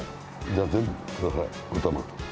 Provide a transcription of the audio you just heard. じゃあ全部ください。